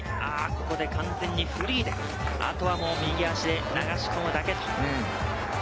ここで完全にフリーで、あとはもう右足で流し込むだけ。